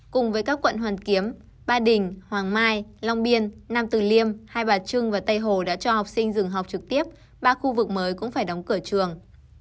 cùng với các quận hoàn kiếm ba đình hoàng mai long biên nam tử liêm hai bà trưng và tây hồ đã cho học sinh dừng học trực tiếp ba khu vực mới cũng phải đóng cửa trường